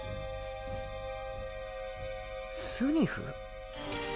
スニフ？